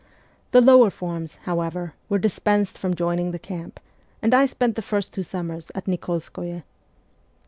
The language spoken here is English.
The lower forms, how ever were dispensed from joining the camp, and I spent the first two summers at Nik61skoye.